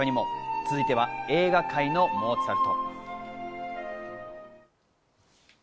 続いては映画界のモーツァルト。